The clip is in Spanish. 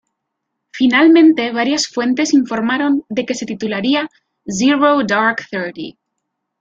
Finalmente varias fuentes informaron de que se titularía "Zero Dark Thirty".